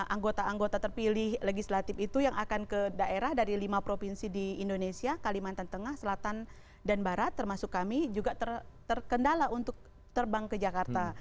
anggota anggota terpilih legislatif itu yang akan ke daerah dari lima provinsi di indonesia kalimantan tengah selatan dan barat termasuk kami juga terkendala untuk terbang ke jakarta